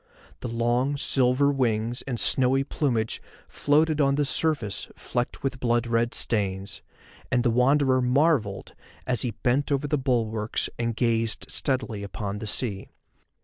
The long silver wings and snowy plumage floated on the surface flecked with blood red stains, and the Wanderer marvelled as he bent over the bulwarks and gazed steadily upon the sea.